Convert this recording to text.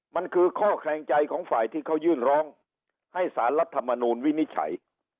มันคือข้อแขลงใจของฝ่ายที่เขายื่นร้องให้สารรัฐมนูลวินิจฉัย